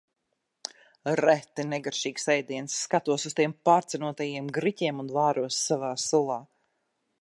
Reti negaršīgs ēdiens. Skatos uz tiem pārcenotajiem griķiem un vāros savā sulā.